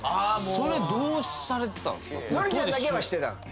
それどうされてたんすか？